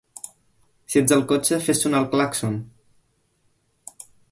Si ets al cotxe, fes sonar el clàxon!